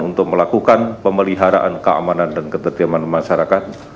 untuk melakukan pemeliharaan keamanan dan ketertiban masyarakat